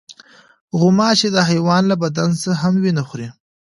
غوماشې د حیوان له بدن هم وینه خوري.